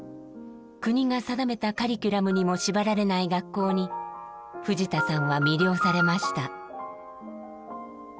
国が定めたカリキュラムにも縛られない学校に藤田さんは魅了されました。